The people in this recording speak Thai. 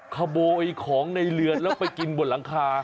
ขโมยของในเรือนแล้วไปกินบนหลังคา